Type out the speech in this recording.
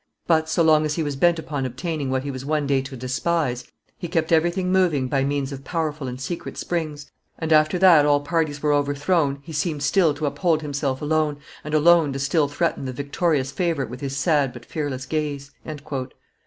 But, so long as he was bent upon obtaining what he was one day to despise, he kept everything moving by means of powerful and secret springs, and, after that all parties were overthrown, he seemed still to uphold himself alone, and alone to still threaten the victorious favorite with his sad but fearless gaze."